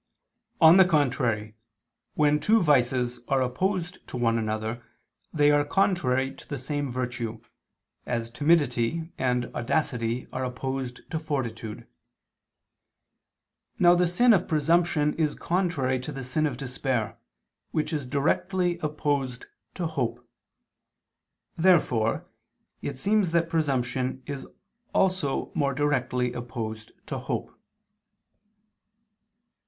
On the contrary, When two vices are opposed to one another they are contrary to the same virtue, as timidity and audacity are opposed to fortitude. Now the sin of presumption is contrary to the sin of despair, which is directly opposed to hope. Therefore it seems that presumption also is more directly opposed to hope.